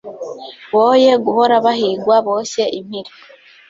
boye guhora bahigwa boshye impili